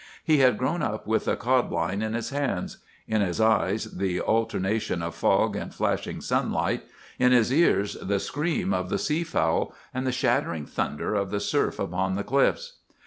He had grown up with a codline in his hands, in his eyes the alternation of fog and flashing sunlight, in his ears the scream of the seafowl, and the shattering thunder of the surf upon the cliffs.